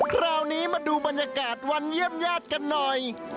คราวนี้มาดูบรรยากาศวันเยี่ยมญาติกันหน่อย